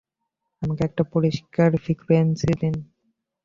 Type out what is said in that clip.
আমাকে একটা পরিষ্কার ফ্রিকুয়েন্সি দিন।